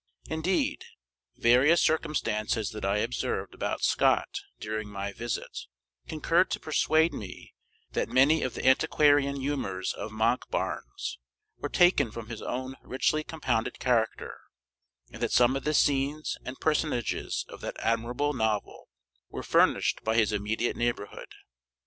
Indeed, various circumstances that I observed about Scott during my visit, concurred to persuade me that many of the antiquarian humors of Monkbarns were taken from his own richly compounded character, and that some of the scenes and personages of that admirable novel were furnished by his immediate neighborhood.